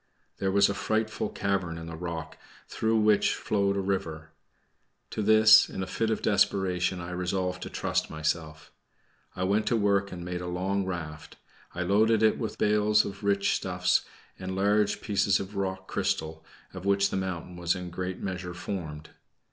There was a frightful cavern in the rock, through which flowed a river. To this, in a fit of desperation, I resolved to trust myself. I went to work and made a long raft. I loaded it with bales of rich stuffs, and large pieces of rock crystal, of which the mountain was in a great measure formed.